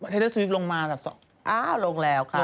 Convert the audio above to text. ไทเลอร์สวีฟลงมากันสัก๒วันลง๓ค่ะ